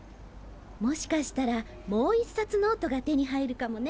もしかしたらもう一冊ノートが手に入るかもね。